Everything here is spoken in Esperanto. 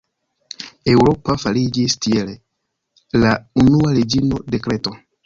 Eŭropa fariĝis, tiele, la unua reĝino de Kreto.